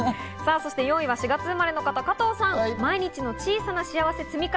そして４位は４月生まれの方、加藤さん。